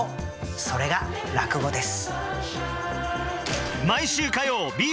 それが落語です。